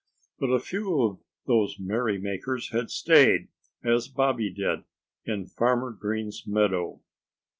But a few of those merrymakers had stayed as Bobby did in Farmer Green's meadow.